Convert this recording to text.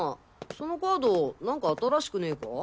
そのカード何か新しくねぇか？